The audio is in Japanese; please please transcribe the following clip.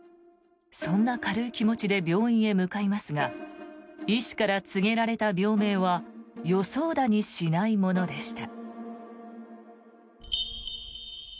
そんな軽い気持ちで病院に向かいますが医師から告げられた病名は予想だにしないものでした。